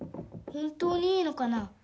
本当にいいのかな？